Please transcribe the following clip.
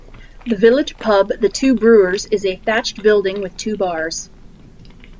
The village pub, The Two Brewers, is a thatched building with two bars.